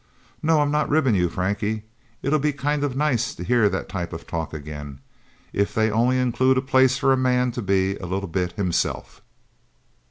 No, I'm not ribbing you, Frankie. It'll be kind of nice to hear that type of talk, again if they only include a place for a man to be a little bit himself."